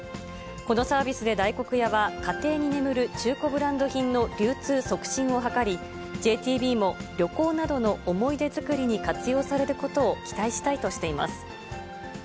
このサービスで大黒屋は、家庭に眠る中古ブランド品の流通促進を図り、ＪＴＢも、旅行などの思い出作りに活用されることを期待したいとしています。